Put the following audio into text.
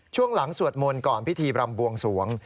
ช่วงหลังสวดมนต์ก่อนพิธีบรำบวงสวง